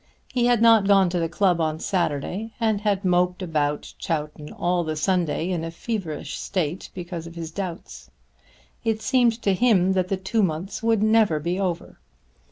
He had not gone to the club on Saturday and had moped about Chowton all the Sunday in a feverish state because of his doubts. It seemed to him that the two months would never be over.